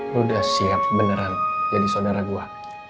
lu udah siap beneran jadi saudara gue